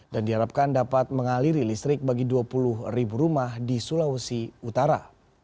dan diharapkan dapat mengaliri listrik bagi dua puluh rumah di sulawesi utara